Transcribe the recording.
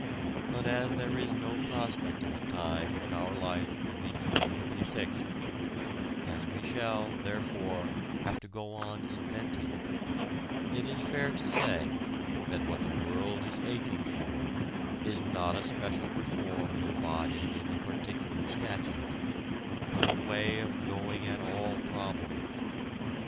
But as there is no prospect of a time when our life will be immutably fixed, as we shall, therefore, have to go on inventing, it is fair to say that what the world is aching for is not a special reform embodied in a particular statute, but a way of going at all problems.